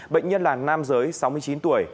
bệnh nhân là nam giới sáu mươi chín tuổi